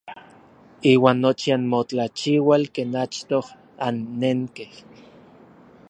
Iuan nochi anmotlachiual ken achtoj annenkej.